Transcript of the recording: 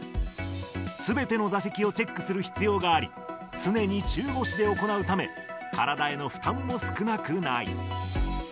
すべての座席をチェックする必要があり、常に中腰で行うため、体への負担も少なくない。